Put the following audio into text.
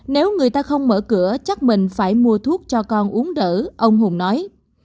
nếu người ta không mở cửa chắc mình phải mua thuốc cho con uống đỡ ông hùng nói